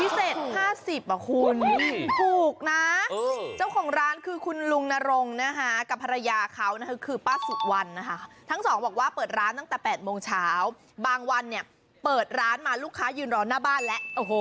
ถูกนะเจ้าของร้านคือคุณลุงนรงนะคะกับภรรยาเขานะคะคือป้าสุวรรณนะคะทั้งสองบอกว่าเปิดร้านตั้งแต่๘โมงเช้าบางวันเนี่ยเปิดร้านมาลูกค้ายืนรอหน้าบ้านแล้ว